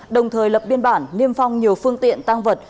đồng thời lập biên bản niêm phong nhiều phương tiện tăng vật